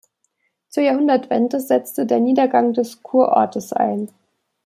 Zur Jahrhundertwende setzte der Niedergang des Kurortes ein.